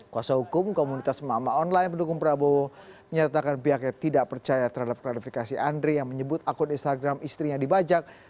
kuasa hukum komunitas mama online pendukung prabowo menyatakan pihaknya tidak percaya terhadap klarifikasi andre yang menyebut akun instagram istrinya dibajak